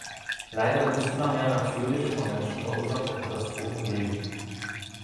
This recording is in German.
Leider wird es immer mehr natürliche und vom Menschen verursachte Katastrophen geben.